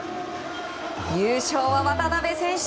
優勝は渡辺選手！